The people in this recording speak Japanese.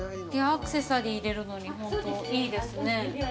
アクセサリー入れるのにホントいいですね。